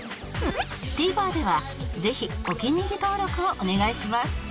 ＴＶｅｒ ではぜひお気に入り登録をお願いします